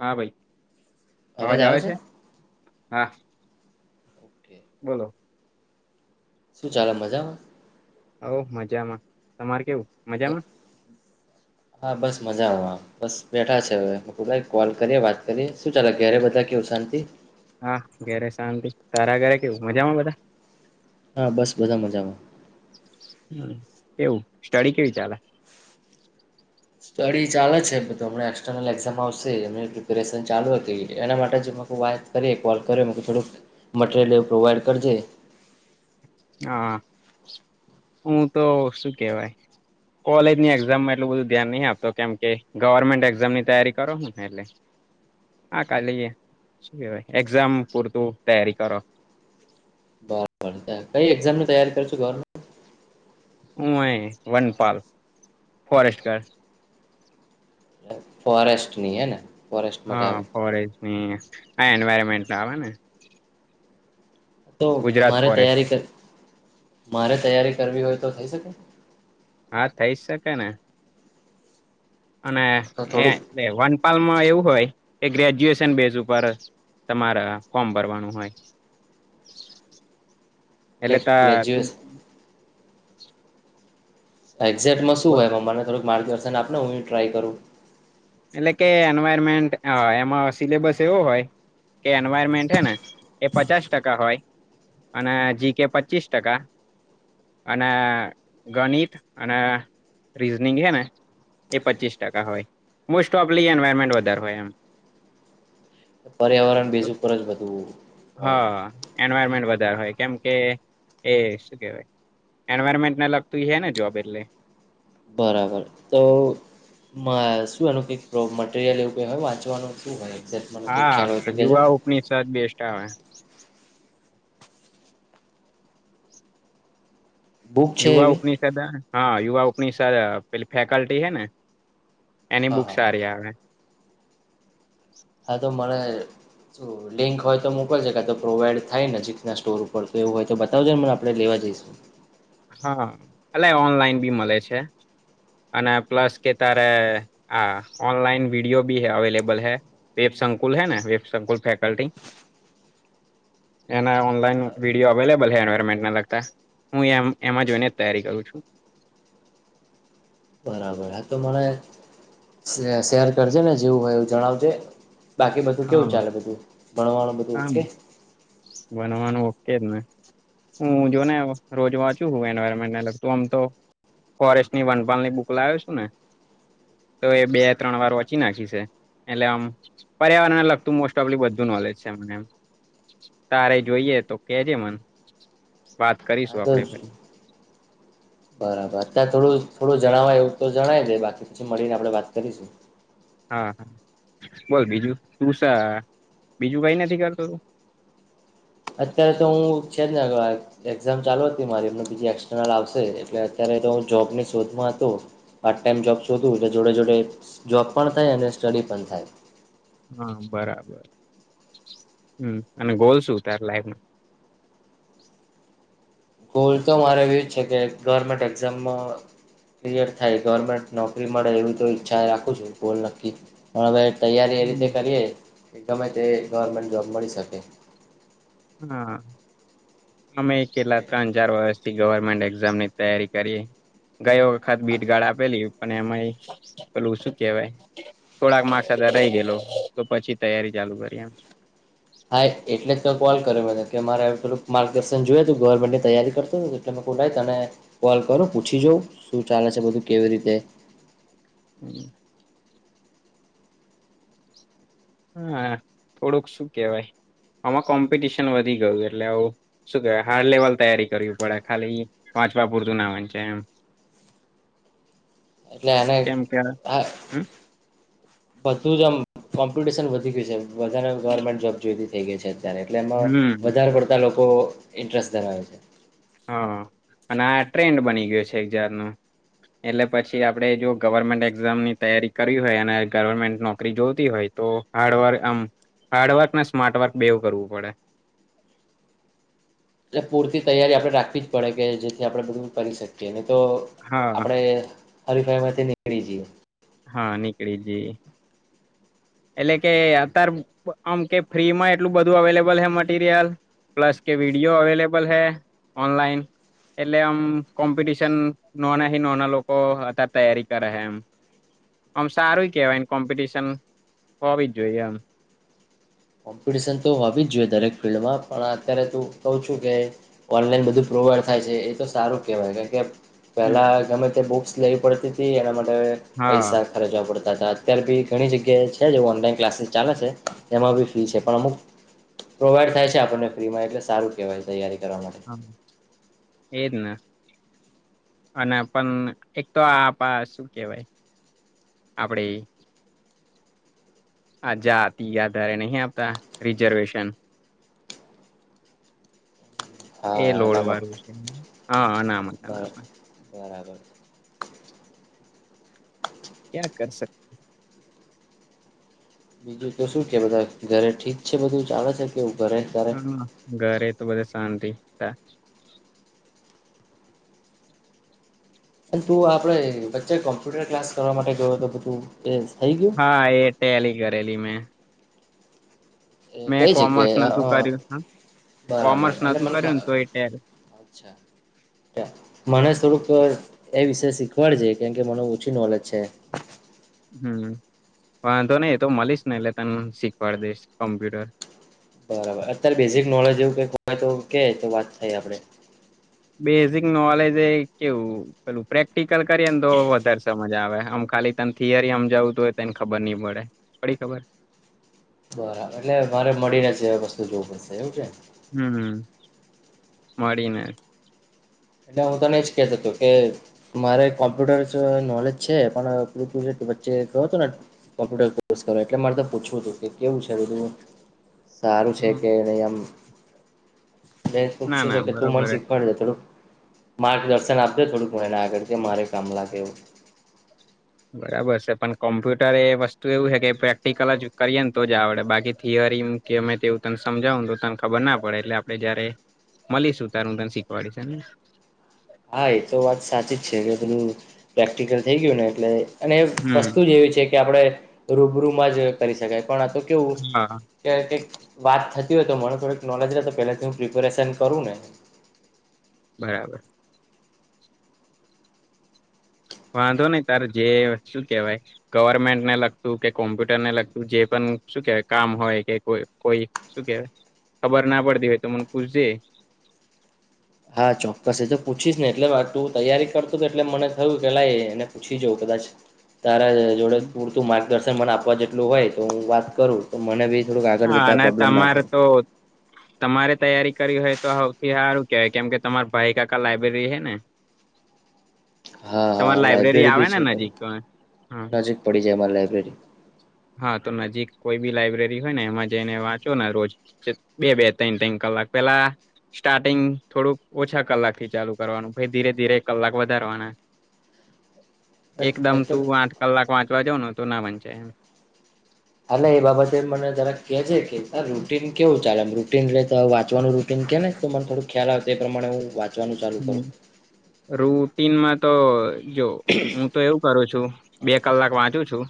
હા ભાઈ અવાજ આવે છે. હા ઓકે બોલો શું ચાલે મજામાં હ મજામાં તમારી [inaudible] હા બસ મજામાં બસ બેઠા છે હવે [unintelligible] કોલ કર્યો વાત કરી શું ચાલે ઘેરે બધા કેવું શાંતિ. હા ઘેરે શાંતિ તારા ઘરે કેવું મજામાં બધા. હા બસ બધા મજામાં. હ કેવું સ્ટડી કેવી ચાલે. સ્ટડી ચાલે છે તો હમના એક્સટર્નલ એક્ઝામ આવશે અને ડિપ્રેસન ચાલુ હું થઈ ગયું એના માટે જ મા વાત કરીએ કોલ કર્યો મ થોડુંક મટરિયલ પ્રોવાઈડ કરજે. હા હું તો શું કેવાય કોલેજની એક્ઝામમાં એટલું બધું ધ્યાન નહી આપતો કેમકે ગવર્મેન્ટ એક્ઝામની તૈયારી કરોને એટલે હા કાલી શું કેવાય એક્ઝામ પૂરતું તૈયારી કરો. બરોબર કઈ એક્ઝામ ન તૈયારી કર છું ગવર્મ હું એ વનપાલ ફોરેસ્ટ ગાર્ડ ફોરેસ્ટ ની હે ને ફોરેસ્ટ માટે હા આવે પરેજની આ એન્વાયરમેન્ટ ના આવે ને તો ગુજરાત મારે ફોરેસ્ટ તૈયારી ક મારે તૈયારી કરવી હોય. તો થઈ શકે હા થઈ શકે ને અને તો એ થોડુંક વનપાલ માં એવુ હોય એ ગજ્યુએન બેઝ તમારા ફોર્મ ભરવાનું હોય એટલે એલે કા ગ્રેજ્યુએશન એક્ઝેક્ટમાં શું હોય મને થડું માર્ગદર્શન આપને હું ટ્રાય કરું એટલે કે એનવાયરમેન્ટ હ એમાં સિલેબસ એવું હોય કે એનવાયરમેન્ટ હેને એ પચાસ ટકા હોય અને જી કે પચીસ ટકા અને ગણિત અને રીઝનિંગ હે ને એ પચીસ ટકા હોય. મોસ્ટ ઓફ લી એન્વાયરમેન્ટ વધારે હોય એમ. પર્યાવરણ બીજુ પર જ બધું હોય. બધા હોય કેમકે એ શું કેવાય એન્વાયરમેન્ટને લગતું હે ને જોબ એટલે બરાબર તો મ શું એનું કઈક મટીરિયલ એવું ક હે વાંચવાનું શું હોય એક્ઝેક્ટ મને કંઈક હા ખ્યાલ હોય તો કહેજો ને. યુવા ઉપનિષદ બેસ્ટ આવે બુક છે યુવા એવી ઉપનિષદ હા યુવા ઉપનિષદ પેલી ફેકલ્ટી હૈ ને એની હા બુક હા સારી આવે. હા તો મને જો લિંક હોય તો મોકલશે ક તો પ્રોવાઈડ થાય નજીકના સ્ટોર ઉપર તો એવું હોય તો બતાવજે ને મને આપણે લેવા જઈશું. હા અને ઓનલાઈન બી મળે છે અને પ્લસ કે તારે આ ઓનલાઈન વિડીયો બી અવેલેબલ હે વેબ સંકુલ હે ને વેબ સંકુલ ફેકલ્ટી એના ઓનલાઈન હા વિડીયો આવેલેબલ બધા એન્વાયરમેન્ટને લગતા હું એમ એમાં જોઈને જ તૈયારી કરું છું. બરાબર હા તો મને શેર કરજે ને જેવું હોય એવું જણાવજે. બાકી બધું કેવું હા ચાલે બધું ભણવાનું બધું ઓકે તેજને હું જો ને રોજ વાંચુ છું એવાયરમેન્ટ લાગતું આમ તો ફોરેસ્ટની વનપાલની બુક લાવ્યો છું ને તો એ બે ત્રણ વાર વાંચી નાખી છે એટલે આમ પર્યાવરણને લગતું મોસ્ટ ઓફલી બધું નોલેજ છે મને એ તારે જોઈએ તો કેજે મન વાત હા કરીશું તો આપડે ફરી બરાબર ત્યાં થોડું થોડું જણવાય એવું તો જણાય દે બાકી પછી મળીને આપડણે વાત કરીશું. હા હા બોલ બીજું તુશ બીજું કઈ નથી કરતું તું અત્યારે તો હું છે જ ને એક્ઝામ ચાલુ હતી મારી એમને બીજી એક્સટર્નલ આવશે એટલે અત્યારે તો હું જોૉબની શોધમાં હતો પાર્ટ ટાાઈમ જોબ શોધું એટલે જોડે જોડે જોબ પણ થાય અને સ્ટડી પણ થાય હા બરાબર હમ અને ગોલ શું તારે લાઈફમાં ગોલ તો મારે એવી જ છે કે ગવર્મેન્ટ એક્ઝામ ક્લિયર થાય ગવર્મેન્ટ નોકરી મળે એવી તો ઈચ્છાએ રાખું છું ગોલ નક્કી પણ હવે તૈયારી એ રીતે કરીએ કે ગમે તે ગવર્મેન્ટ જોબ મળી શકે. હા. આમે એક કેલા અ ત્રણ ચાર વરસ થી ગવર્મેન્ટ એક્ઝામની તૈયારી કરીએ. ગયો વખત ભીટગાળ આપેલી પણ એમાંય પેલું શું કેવાય થોડાક માક્સર્ રહી ગયેલો તો પછી તૈયારી ચાલુ કરી એમ હા એટલે તો કોલ કર્યો મેને કે મારે થોડુંક માર્ગદર્શન જોય તો ગવર્મેન્ટની તૈયારી કરતો એટલે કો રાઈટ અને કોલ કરું પૂછી જાઉં શું ચાલે છે બધું કેવી રીતે હમ. હ થોડુંક શું કેહેવાય આમાં કોમ્પિટિશન વધી ગયું એટલે આવું શું કેવાય હાર લેવલ તૈયારી કરવી પડે ખાલી પાંચવા પૂરતું ના વા છે એમ એટલે અનેને કેમ કે હ હમ બધું જ આમ કોમ્પિટશન વધી ગયું છે. વધારે ગવર્મેન્ટ જોબ જોઈ હતી. થઇ ગઇ છે. એટલે એમાં હમ વધારે પડતા લોકો લોકો ઇન્ટરેસ્ટ ધરાવે છે. હા અને આ ટ્રેન્ડ બની ગયો છે એ જાત નુ એટલે પછી આપણે જો ગવર્મેન્ટ એક્ઝામની તૈયારી કરી હોય અને ગવર્મેન્ટ નોકરી જોતી હોય તો હાર્ડવર્ક આમ હાર્ડવર્ક ને સ્માર્ટવર્ક બેવું કરવું પડે. એટલે પૂરતી તૈયારી આપડણે રાખવી જ પડે કે જેથી આપણે બધું કરી શકીએ તો હા આપડે હરીફાઈમાંથી કરીજએ હા નીકળી જ એટલે કે અતાર આમ કે ફ્રીમાં એટલું બધું અવેલેબલ હે મટીરિયલ પ્લસ કે વિડીયો અવેલેબલ હે ઓનલાઈન એટલે આમ કોમ્પિટશન નોના નોના લોકો અત તૈયારી કરે છે એમ આમ સારું કેવાય કોમ્પિટશન કોબી જોય આમ કોમ્પિટિશન તો હોવી જ જોઈએ દરેક ફિલ્ડમાં પણ અત્યારે તું કહ છું કે ઓનલાઈન બધું પ્રોવાઈડ થાય છે એ તો સારું કહેવાય કે કારણ કે એમ પેલા ગમે તે બહુ લેવી પડતી હતી એના માટે હા પૈસા ખર્ચવા પડતા તા અત્યારે બી ઘણી જગ્યાએ છે જે ઓનલાઈન ક્લાસીસ ચાલે છે એમાં બી ફ છે પણ અમુક પ્રોવાઈડ થાય છે આપણને ફ્રી માં એટલે સારું કેહેવાય તૈયારી કરવા માટે હા એજને અને પણ એક તો આ આપ શું કેવાય આપડી આ જાતી આધારે નહી આપતા રિઝર્વેશન હા એ લોડ અનામત વાળું છે હા હના. [unintelligible] [inaudible] ક્યા કર સ બીજું તો શું છે, બધા ઘરે ઠીક છે, બધું ચાલે છે, કેવું. ઘરે તારે હમ ઘરે. [unintelligible] શાંતિ હતા. અને તું આપડે બચ્ચે કોમ્પ્યુટર ક્લાસ કરવા માટે જોયો તો તું. હા એટલી [unintelligible] ડેલી મે. એ કઈ છે, કે નતું કર્યું બરાબર કોમર્સ એટ નતું મને કર્યું ને તો એ ટેલી અચ્છા મને થોડુંક એ વિષ શીખવાડજે કેમ કે મને ઓછી નોલેજ છે. હમ વાંધો નહી એતો મળીશ ને એટલે તને શીખવાડી દઈશ કોમ્પ્યુટર. બરાબર અત્યારે બેઝિક નોલેજ એવું કઈક હોય તો કે તો વાત થાય આપડે. બેઝિક નોલેજ એ કેવું પેલું પ્રેક્ટિકલ કરીએ ને તો વધારે સમજ આવે આમ ખાલી તને થિયરી આમ જવું તોું હોય તને ખબર નહી પડે પડી ખબર. બરાબર એટલે મારે મળીને છે, વસ્તુ જોવું પડશે એવું છે. હમ હમ [unintelligible] એટલે હું તને એજ કેતો હતોું કે મારે કોમ્પ્યુટર નોલેજ છે, પણું વચ્ચે કું ને કોમ્પ્યુટર કો એટલે મારે પૂછવું હતું કે કેવું [unintelligible] સારું છે, હમ. કે ન આમ. બે ના શું ના [unintelligible] કે તું મને બરોબર જ શીખવાડે છે, થોડુંક. માર્ગ દર્શન આપજે થોડુંક મ એને આગળ મારે કામ લાગે એવું. બરાબર છે પણ કોમ્પ્યુટર એ વસ્તુ એવું છે, કે પ્રેક્ટિકલ જ કરીએે ને તો જ આવડે બાકી થિયરી કેમે તેવું તને સમજાવ તો તને ખબર ના પડે એટલે આપડે જયારે મળીશું ત્યારે હું તને શીખવાડીશ ને. હા એ તો વાત સાચી જ છે, એટલેધું પ્રેક્ટિકલ થઈ ગયું ને એટલે. અને હમ વસ્તુ જેવી છે. કે આપણે રૂબરૂમાં જ. કરી શકાય પણ આ તો કેવું હા [unintelligible] વાત થતી હોય તો મને થોડીક નોલેજ રહે તો પહેલાથી હું પ્રિપેરેશન કરું ને. બરાબર. વાંધો નઈ તાર જે શું કેવાય ગવર્મેન્ટને લગતું કે કોમ્પ્યુટર ને લગતું જે પણ શું કેવાય કામ હોય કે કોઈ શું કેવાય ખબર ના પડતી હોય તો મને પૂછજે. હા ચોક્કસ એ તો પૂછીશ ને એટલે તું તૈયારી કરતું તો એટલે મને થયું કે લ એને પૂછી જઉં કદાચ તારા જોડે પૂરતું મા દર્શન મન આપવા જેટલું હોય તો હું વાત કરું તો મને બી થોડુંક આગળ હા જતા અને પ્રોબ્લેમ ના તમારે થાય તો તમારે તૈયારી કરી હોય તો સૌથી સાર કે કેમ કે તમાર ભાઈકાાકા લાઈબ્રેરી હૈ ને હા હા તમારી લાયબ્રેરી લાઈબ્રેરી આવે બી ને છે નજીક તો હા નજીક પડી જાયમારે લબ રેડી હા તો નજીક કોઈ બી લાઈબ્રેરી હોય ને એમાં જઈને વાંચો ને રોજ બે બે ત્રન ત્રન કલાક પેલા સ્ટાર્ટિંગ થોડુંક ઓછા કલાક થી ચાલુ કરવાનું ભાઈ ધીરે ધીરે કલાક વધારવાના એકદમ તું આઠ કલાક વાંચ વાંચવાનું હોય ને તો ના વંચાય એમ હા એ બાબતે મને જરા કે છે કે રૂટીન કેવું ચાલે રૂટન વાચવાનું રૂટન કે ને તો મને થોડું ખ્યાલ આવે તો એ પ્રમાણે હું વાંચવાનું ચાલુ કરું હમ રૂટીનમાં તો જો હું તો એવું કરું છું બે કલાક વાંચું છું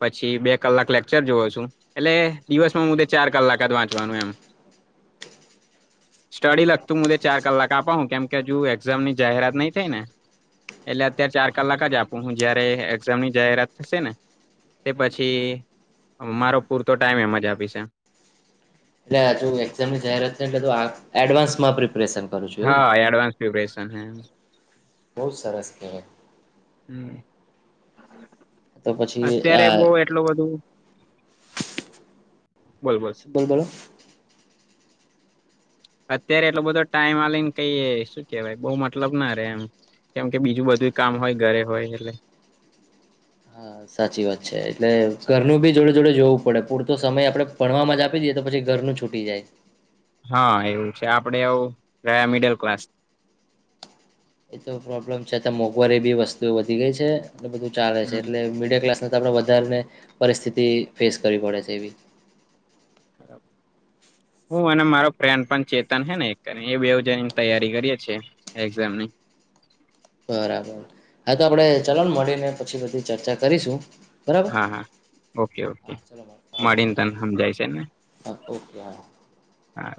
પછી બે કલાક લેકચર જોવો છું એટલે દિવસમાં મુદ્ે ચાર કલાક જ વાંચવાનું એમ સ્ટડી લગતું મુદ્ે ચાર કલાક આપવાનું કેમ કે હજુ એક્ઝામની જાહેરાત નહી થઈ ને એટલે અત્યારે ચાર કલાક જ આપું હું જયારે એક્ઝામની જાહેરાત થશે ને તે પછી મારો પૂરતો ટાઈમ એમ જ આપી છે એટલે હુ એક્ઝામ ની જાહેરાત છે એટલે એડવાન્સમાં પ્ર હા એડવાન્સ પ્રેપરેેશન હૈ બહુ સાર સે હમ અત્યારે બહ એટલું બધું બોલ બોલ અત્યારે એટલો બધો ટાઈમ આવીને કઈ શું કેવાય બહુ મતલબ ના રે એમ કેમ કે બીજું બધું કામ હોય ઘરે હોય એટલે હા સાચી વાત છે એટલે ઘરનું ભી જોડે જોડે જોવું પડે પૂરતો સમય આપડે ભણવામાં જ આપી દઈએ તો પછી ઘરનું છૂટી જાય હા એવું છે આપડે આવું ગરહ્યા મિડલ ક્લાસ એ તો પ્રોબ્લેમ છેતા મોંઘવારી એ બી વસ્તુ વધી ગઈ છે એટલે બધું ચાલે છે હમ એટલે મિડિલ ક્લાસ આપણે વધારેને પરિસ્થિતિ ફેસ કરવી પડે છે એવી હું અને મારો ફ્રેન્ડ પણ ચેતન હને એક એ બે જ તૈયારી કરીએ છેએ એક્ઝામની બરાબર હા તો આપડે ચલો ને મળીને પછી બધી ચર્ચા કરીશું બરાબર હા હા ઓકે ઓકે હા ચલો ઓકે મળીને હા તને હમ જાય છેને હા ઓકે હા હા